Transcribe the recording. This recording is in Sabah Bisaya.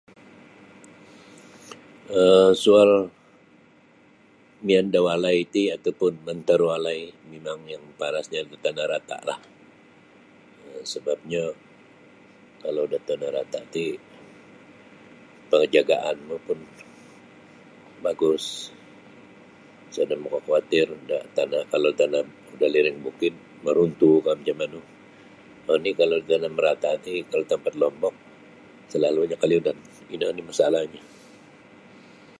um Soal mian da walai ti ataupun mantarwalai mimang yang maparas da tana' rata lah um sebabnyo kalau da tana' rata ti kalau jagaan mu pun bagus sada makakuatir da tana' kalau tana' da liring bukit maruntuh kaan jan manu oni kalau da tana' marata ti kalau tampat lombop salalu da kaliudan ino oni masalanyo.